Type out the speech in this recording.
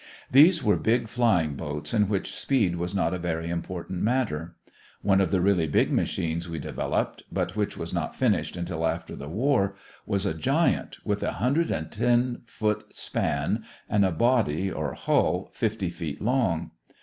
These were big flying boats in which speed was not a very important matter. One of the really big machines we developed, but which was not finished until after the war, was a giant with a 110 foot span and a body or hull 50 feet long.